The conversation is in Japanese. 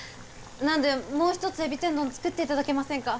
なのでもう一つエビ天丼作っていただけませんか？